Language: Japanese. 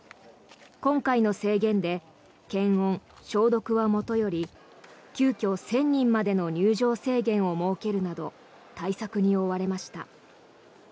今回の制限で検温、消毒はもとより急きょ１０００人までの入場制限を設けるなど対策に追われました。